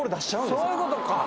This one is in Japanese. そういうことか。